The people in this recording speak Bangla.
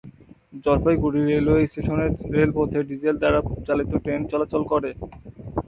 জলপাইগুড়ি রেলওয়ে স্টেশনের রেলপথে ডিজেল দ্বারা চালিত ট্রেন চলাচল করে।